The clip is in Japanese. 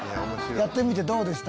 やってみてどうでした？